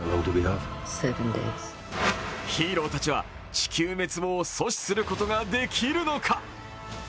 ヒーローたちは地球滅亡を阻止することができるのか。